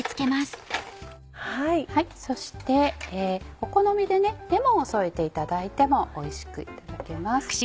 そしてお好みでレモンを添えていただいてもおいしくいただけます。